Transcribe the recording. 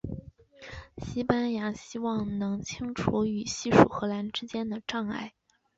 西班牙希望能清除与西属荷兰之间的障碍。